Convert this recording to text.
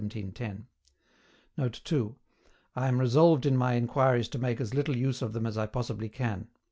] [Note 2: "I am resolved in my inquiries to make as little use of them as possibly I can."